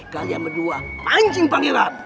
kita berdua pancing pangeran